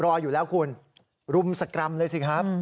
รออยู่แล้วคุณรุมสกรรมเลยสิครับ